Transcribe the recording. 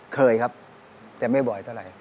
เคยครับแต่ไม่บ่อยเท่าไหร่